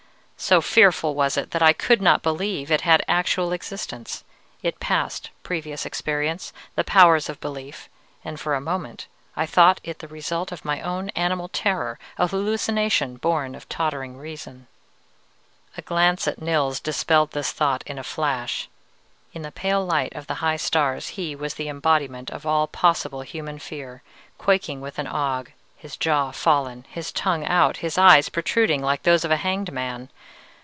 So fearful was it that I could not believe it had actual existence: it passed previous experience, the powers of belief, and for a moment I thought it the result of my own animal terror, an hallucination born of tottering reason. "A glance at Nils dispelled this thought in a flash. In the pale light of the high stars he was the embodiment of all possible human fear, quaking with an ague, his jaw fallen, his tongue out, his eyes protruding like those of a hanged man.